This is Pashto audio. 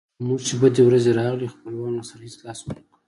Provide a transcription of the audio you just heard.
په موږ چې بدې ورځې راغلې خپلوانو راسره هېڅ لاس ونه کړ.